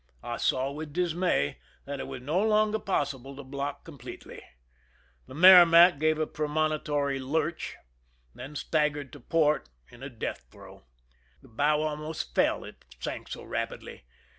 I saw with dismay that it was no longer possible to block completely. The Merrimac gave a premonitory lurch, then staggered to port in a death throe. The bow almost fell, it sank so rapidly.